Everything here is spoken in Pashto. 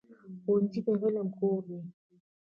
ښوونځی د علم کور دی.